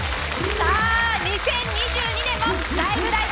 さあ、２０２２年も「ライブ！